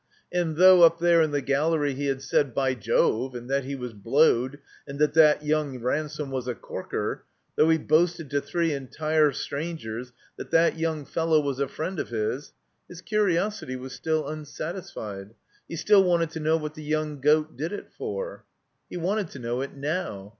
And, though up there in the gallery he had said By Jove!" and that he was blowed, and that that young Ran some was a corker, though he boasted to three entire strangers that that yoting fellow was a friend of his, his curiosity was still unsatisfied. He still wanted to know what the young goat did it for. He wanted to know it now.